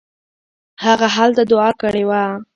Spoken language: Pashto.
هغه هلته دوعا کړې وه.